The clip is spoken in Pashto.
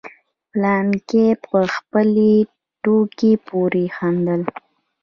فلانکي په خپلې ټوکې پورې خندل.